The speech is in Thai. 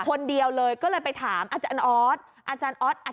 คนเดียวเลยก็เลยไปถามอาจารย์ออสอาจารย์ออส